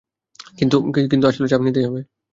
কিন্তু আসলে চাপ নিতেই হবে।